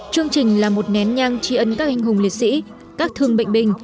chương trình là một nén nhang tri ân các anh hùng liệt sĩ các thương bệnh binh